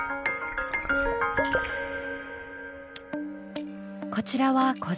こちらは小嶋流。